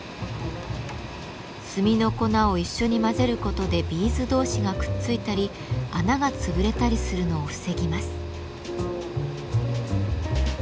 炭の粉を一緒に混ぜることでビーズ同士がくっついたり穴が潰れたりするのを防ぎます。